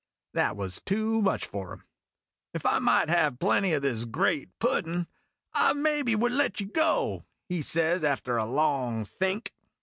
That was too much for him. " If I might have plenty of this great puddin', I maybe would A YARN OF SAILOR BEN S 223 let you go," he says, after a long think.